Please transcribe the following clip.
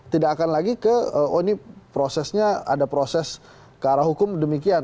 tidak akan lagi ke oh ini prosesnya ada proses ke arah hukum demikian